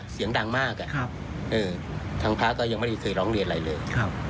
เสียงดังมากทางพระก็ยังไม่ได้เคยร้องเรียนอะไรเลย